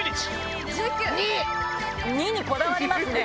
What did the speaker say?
２にこだわりますね。